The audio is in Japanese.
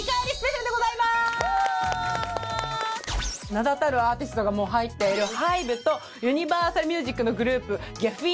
名だたるアーティストが入っているＨＹＢＥとユニバーサルミュージックのグループＧｅｆｆｅｎＲｅｃｏｒｄｓ。